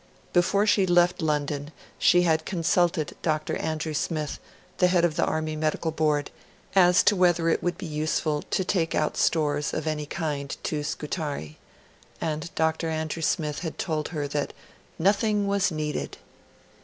Before she left London she had consulted Dr. Andrew Smith, the head of the Army Medical Board, as to whether it would be useful to take out stores of any kind to Scutari; and Dr. Andrew Smith had told her that 'nothing was needed'.